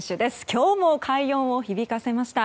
今日も快音を響かせました。